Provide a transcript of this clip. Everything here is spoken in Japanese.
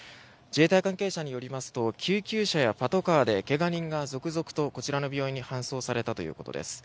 自衛隊関係者によりますと救急車やパトカーでけが人が続々と、こちらの病院に搬送されたということです。